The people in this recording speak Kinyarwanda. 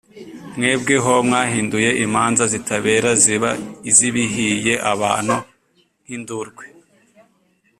Mwebweho mwahinduye imanza zitabera ziba izibihiye abantu nk’indurwe,